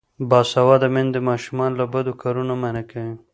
باسواده میندې ماشومان له بدو کارونو منع کوي.